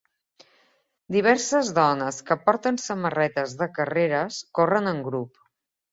Diverses dones que porten samarretes de carreres corren en grup.